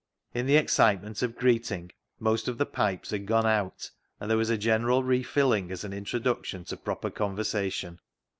In the excitement of greeting, most of the pipes had gone out, and there was a general refilling as an introduction to proper con versation.